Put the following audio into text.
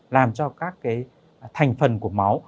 làm cho các thành phần của máu